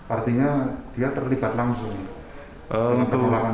artinya dia terlibat langsung